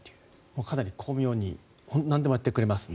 かなり巧妙になんでもやってくれますね。